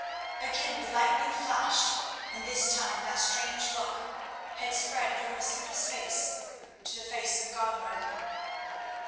Again the lightning flashed, and this time that strange look had spread from Masouda's face to the face of Godwin.